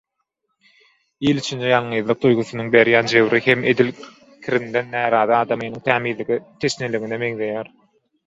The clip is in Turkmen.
Il içinde ýalňyzlyk duýgusynyň berýän jebri hem edil kirinden närazy adamynyň tämizlige teşneligine meňzeýär.